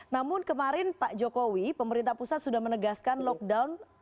namun kemarin pak jokowi pemerintah pusat sudah menegaskan lockdown